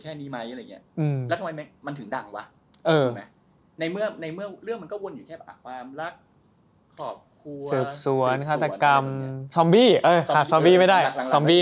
เฮ้ยซีรีส์เกาหลีมันอาจจะวนอยู่แค่นี้ไหมอะไรเงี้ย